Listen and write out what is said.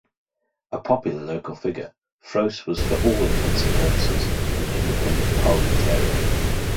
A popular local figure, Froese was for all intents and purposes an independent parliamentarian.